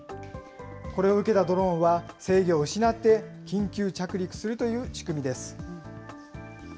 これを受けたドローンは、制御を失って、緊急着陸するという仕組みです。